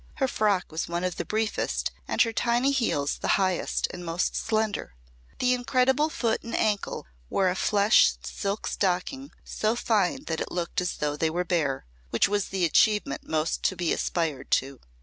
Her frock was one of the briefest and her tiny heels the highest and most slender. The incredible foot and ankle wore a flesh silk stocking so fine that it looked as though they were bare which was the achievement most to be aspired to.